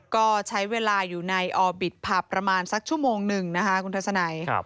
ก็ใช้เวลาอยู่ในออบิตผับประมาณสักชั่วโมงหนึ่งนะคะคุณทัศนัย